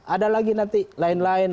ada lagi nanti lain lain